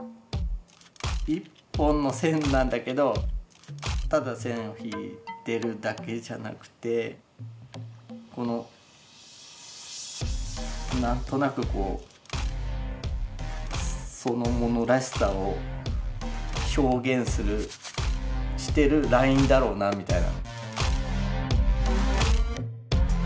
一本の線なんだけどただ線を引いてるだけじゃなくてこのなんとなくこうそのものらしさを表現するしてるラインだろうなみたいな。